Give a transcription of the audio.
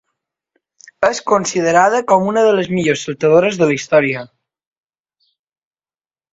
És considerada com una de les millors saltadores de la història.